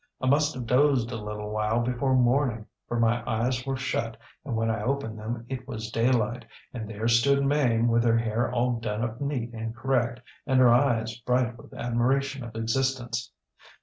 ŌĆ£I must have dozed a little while before morning, for my eyes were shut, and when I opened them it was daylight, and there stood Mame with her hair all done up neat and correct, and her eyes bright with admiration of existence.